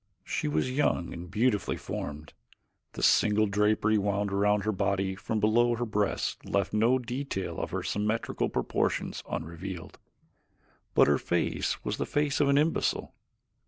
She was young and beautifully formed; the single drapery wound around her body from below her breasts left no detail of her symmetrical proportions unrevealed, but her face was the face of an imbecile.